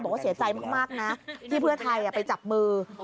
บอกว่าเสียใจมากนะที่เพื่อไทยไปจับมือ